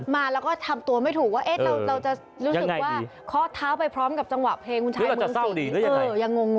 คือมาแล้วก็ทำตัวไม่ถูกว่าเราจะรู้สึกว่าคอร์ดเท้าไปพร้อมกับจังหวะเพลงของคุณชายมึงสิงหรือยังงง